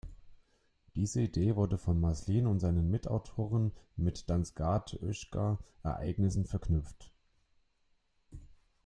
Diese Idee wurde von Maslin und seinen Mitautoren mit Dansgaard-Oeschger Ereignissen verknüpft.